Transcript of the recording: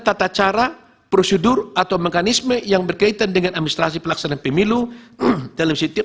tata cara prosedur atau mekanisme yang berkaitan dengan administrasi pelaksanaan pemilu dalam setiap